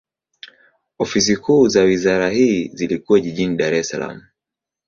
Ofisi kuu za wizara hii zilikuwa jijini Dar es Salaam.